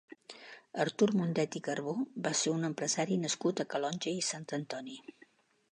Artur Mundet i Carbó va ser un empresari nascut a Calonge i Sant Antoni.